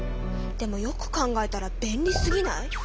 でもよく考えたら便利すぎない？